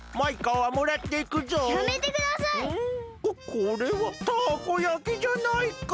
ここれはたこ焼きじゃないか！